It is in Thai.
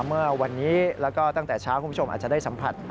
เมื่อวันนี้แล้วก็ตั้งแต่เช้าคุณผู้ชมอาจจะได้สัมผัส